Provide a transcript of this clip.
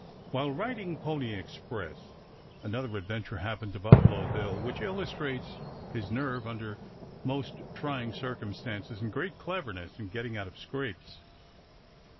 While riding Pony Express another adventure happened to Buffalo Bill which illustrates his nerve under most trying circumstances and great cleverness in getting out of scrapes.